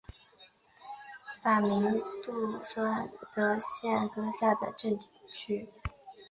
法明顿镇区为美国堪萨斯州斯塔福德县辖下的镇区。